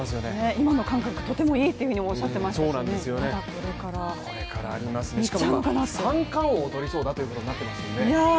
今の感覚、とてもいいとおっしゃっていましたので、まだこれからあります、三冠王をとりそうだっていうことになってますよね。